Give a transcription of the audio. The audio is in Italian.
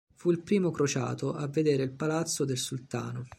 Fu il primo crociato a vedere il palazzo del sultano.